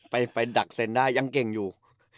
ไปดักเซ็นได้ยังเก่งอยู่